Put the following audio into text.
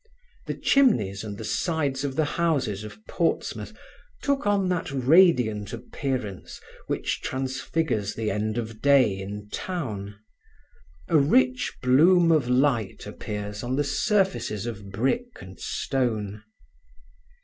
The chimneys and the sides of the houses of Portsmouth took on that radiant appearance which transfigures the end of day in town. A rich bloom of light appears on the surfaces of brick and stone.